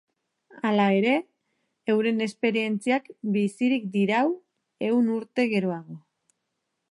Hala ere, euren esperientziak bizirik dirau ehun urte geroago.